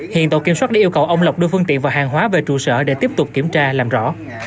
hiện tổ kiểm soát đã yêu cầu ông lộc đưa phương tiện và hàng hóa về trụ sở để tiếp tục kiểm tra làm rõ